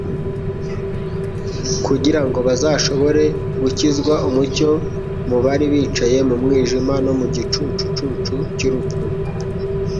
kugira ngo bazashobore gukwiza umucyo mu bari bicaye mu mwijima no mu gicucu cy'urupfu.